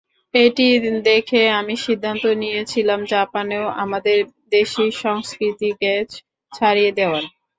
এটি দেখে আমি সিদ্ধান্ত নিয়েছিলাম জাপানেও আমাদের দেশি সংস্কৃতিকে ছাড়িয়ে দেওয়ার।